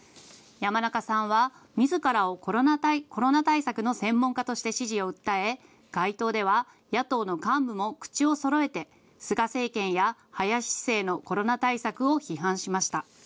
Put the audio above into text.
山中さんは、みずからをコロナ対策の専門家として支持を訴え、街頭では野党の幹部も口をそろえて菅政権や林市政のコロナ対策を批判しました。